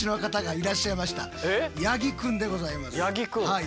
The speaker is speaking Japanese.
はい。